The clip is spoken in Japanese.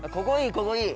ここいい！